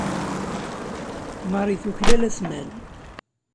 Marie tuklal asmal.